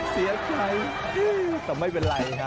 เสียใจแต่ไม่เป็นไรครับ